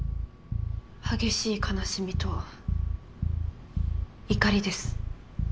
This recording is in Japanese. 激しい悲しみと怒りです。